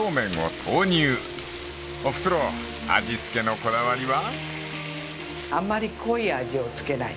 ［おふくろ味付けのこだわりは？］